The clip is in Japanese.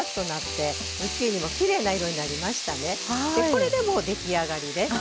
これでもう出来上がりです。